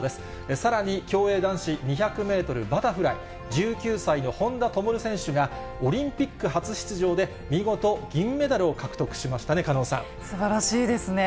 さらに競泳男子２００メートルバタフライ、１９歳の本多灯選手が、オリンピック初出場で見事、銀メダルを獲得しましたね、すばらしいですね。